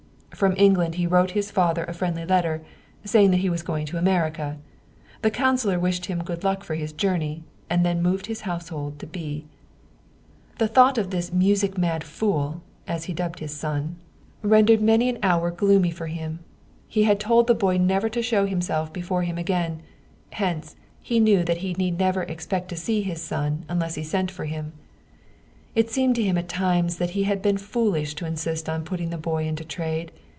From England he wrote his father a friendly letter, saying that he was going to America. The councilor wished him good luck for his journey, and then moved his household to B. The thought of this music mad fool, as he dubbed his 91 German Mystery Stories son, rendered many an hour gloomy for him. He had told the boy never to show himself before him again ; hence, he knew that he need never expect to see his son unless he sent for him. It seemed to him at times that he had been foolish to insist on putting the boy into trade.